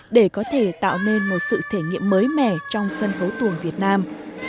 để có thể tạo nên một sự thể nghiệm mới mẻ trong sân khấu tuồng việt nam